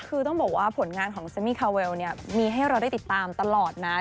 คือต้องบอกว่าผลงานของเซมมี่คาเวลเนี่ยมีให้เราได้ติดตามตลอดนะ